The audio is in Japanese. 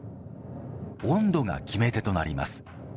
温度が決め手となります。